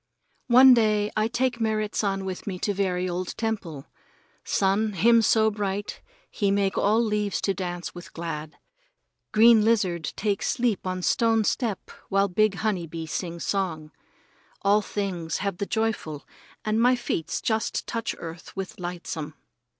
One day I take Merrit San with me to very old temple. Sun, him so bright he make all leaves to dance with glad. Green lizard take sleep on stone step while big honey bee sing song. All things have the joyful, and my feets just touch earth with lightsome.